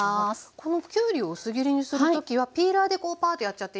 このきゅうりを薄切りにするときはピーラーでこうパーッとやっちゃっていいですか？